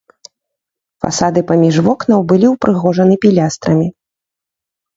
Фасады паміж вокнаў былі ўпрыгожаны пілястрамі.